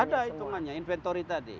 ada hitungannya inventory tadi